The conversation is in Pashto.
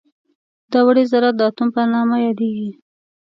دا وړې ذرات د اتوم په نامه یادیږي.